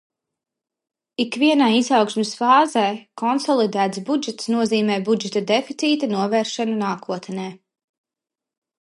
Ikvienā izaugsmes fāzē konsolidēts budžets nozīmē budžeta deficīta novēršanu nākotnē.